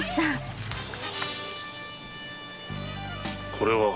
これは？